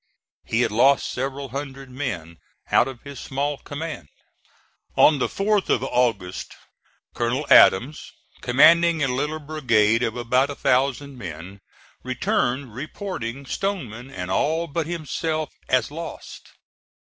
He had lost several hundred men out of his small command. On the 4th of August Colonel Adams, commanding a little brigade of about a thousand men, returned reporting Stoneman and all but himself as lost.